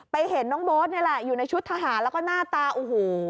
เห็นน้องโบ๊ทนี่แหละอยู่ในชุดทหารแล้วก็หน้าตาโอ้โห